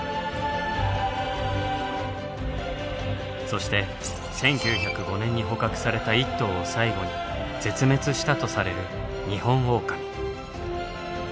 そして１９０５年に捕獲された１頭を最後に絶滅したとされる「ニホンオオカミ」。